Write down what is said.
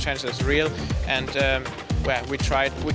yang elektrik dan selamat untuk selamatkan dunia